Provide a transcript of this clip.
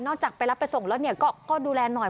นอกจากไปรับไปส่งแล้วก็ดูแลหน่อย